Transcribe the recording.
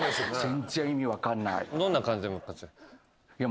全然意味分かんない。